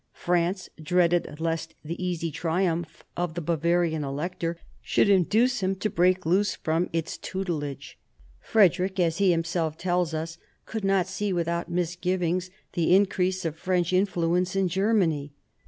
France dreaded lest the easy triumph of the Bavarian Elector should induce him to break loose from its tutelage. Frederick, as he himself tells us, could not see without misgivings the increase of French influence in Germany.